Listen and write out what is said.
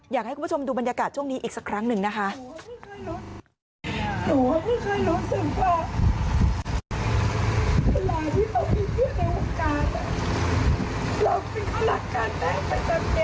อยากให้คุณผู้ชมดูบรรยากาศช่วงนี้อีกสักครั้งหนึ่งนะคะ